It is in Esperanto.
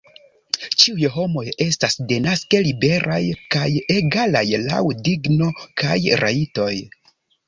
Ĉiuj homoj estas denaske liberaj kaj egalaj laŭ digno kaj rajtoj.